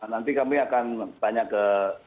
nanti kami akan tanya ke